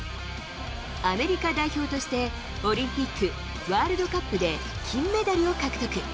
アメリカ代表としてオリンピック、ワールドカップで金メダルを獲得。